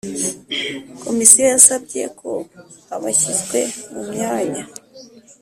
Komisiyo yasabye ko abashyizwe mu myanya